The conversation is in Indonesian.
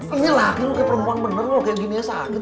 ini laki lo kayak perempuan bener kayak ginianya sakit